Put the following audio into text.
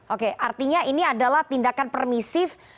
oke artinya ini adalah tindakan permisif